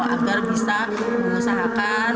agar bisa mengusahakan